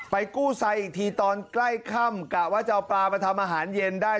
กู้ไซอีกทีตอนใกล้ค่ำกะว่าจะเอาปลามาทำอาหารเย็นได้